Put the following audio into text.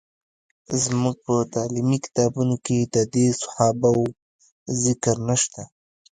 زموږ په تعلیمي کتابونو کې د دې صحابه وو ذکر نشته.